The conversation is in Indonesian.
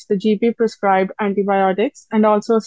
karena penyakit yang dikonsumsi oleh gp